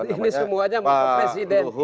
ini semuanya bahwa presiden